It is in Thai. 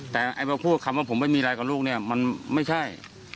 แต่มาพูดคำว่าผมไม่มีอะไรกับลูกเนี่ยมันไม่ใช่